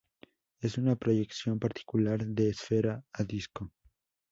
Es una proyección particular de esfera a disco.